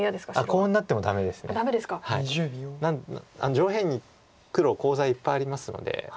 上辺に黒コウ材いっぱいありますので。